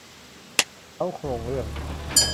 เค้าโครงเรื่อง